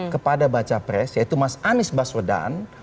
kepada baca pres yaitu mas anies baswedan